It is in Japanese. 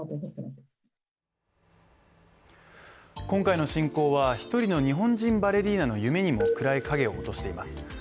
今回の侵攻は、１人の日本人バレリーナの夢にも暗い影を落としています。